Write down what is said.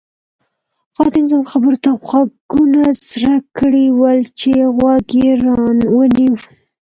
خادم زموږ خبرو ته غوږونه څرک کړي ول چې غوږ یې را ونیو.